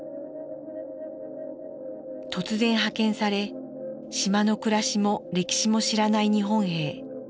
突然派遣され島の暮らしも歴史も知らない日本兵。